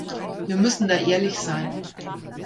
Wir müssen da ehrlich sein.